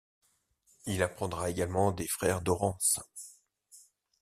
Il apprendra également des frères Dorrance.